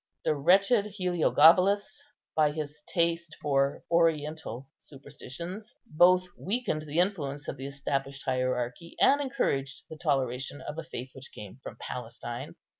The wretched Heliogabalus, by his taste for Oriental superstitions, both weakened the influence of the established hierarchy, and encouraged the toleration of a faith which came from Palestine.